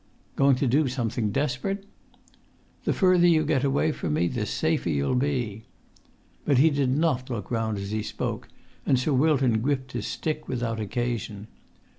"Going to do something desperate?" "The further you get away from me the safer you'll be." But he did not look round as he spoke, and Sir Wilton gripped his stick without occasion.